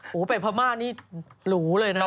โหไปภาธิ์มานนี่หลูเลยนะ